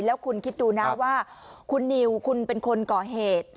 แล้วคุณคิดดูนะว่าคุณนิวคุณเป็นคนก่อเหตุ